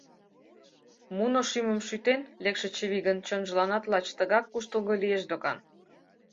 Муно шӱмым шӱтен лекше чывигын чонжыланат лач тыгак куштылго лиеш докан.